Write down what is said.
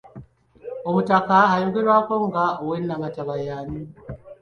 Omutaka ayogerwako nga ow'e Nnamataba y'ani?